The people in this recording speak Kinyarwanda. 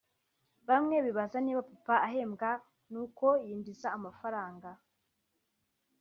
Bamwe bibaza niba Papa ahembwa n’uko yinjiza amafaranga